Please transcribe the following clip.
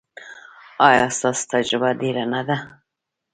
ایا ستاسو تجربه ډیره نه ده؟